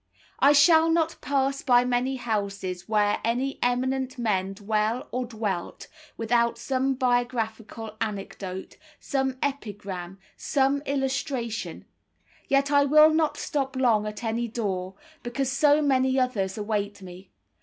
I shall not pass by many houses where any eminent men dwell or dwelt, without some biographical anecdote, some epigram, some illustration; yet I will not stop long at any door, because so many others await me.